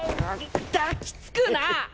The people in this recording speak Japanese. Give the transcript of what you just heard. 抱きつくな！